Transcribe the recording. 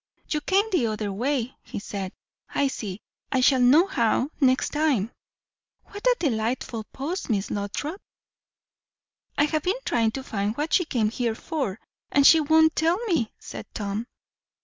"You came the other way," he said. "I see. I shall know how next time. What a delightful post, Miss Lothrop!" "I have been trying to find what she came here for; and she won't tell me," said Tom.